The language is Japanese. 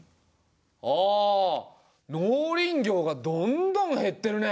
ああ農林業がどんどん減ってるね。